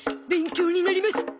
勉強になります。